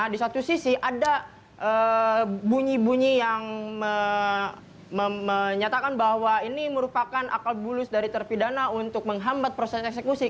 di satu sisi ada bunyi bunyi yang menyatakan bahwa ini merupakan akal bulus dari terpidana untuk menghambat proses eksekusi